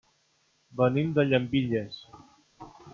Venim de Llambilles.